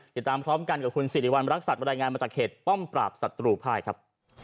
ติดตามพร้อมกันกับคุณสิริวัณรักษัตวรายงานมาจากเขตป้อมปราบศัตรูภายครับ